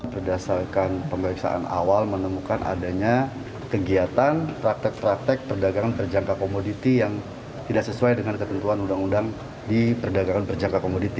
berdasarkan pemeriksaan awal menemukan adanya kegiatan praktek praktek perdagangan berjangka komoditi yang tidak sesuai dengan ketentuan undang undang di perdagangan berjangka komoditi